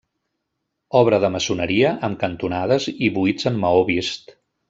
Obra de maçoneria amb cantonades i buits en maó vist.